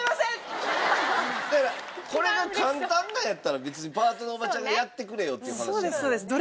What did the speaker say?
だからこれが簡単なんやったら別にパートのおばちゃんがやってくれよっていう話やから。